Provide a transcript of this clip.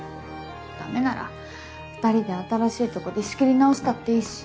駄目なら２人で新しいとこで仕切り直したっていいし。